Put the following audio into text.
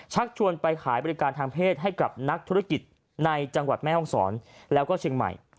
ชวนไปขายบริการทางเพศให้กับนักธุรกิจในจังหวัดแม่ห้องศรแล้วก็เชียงใหม่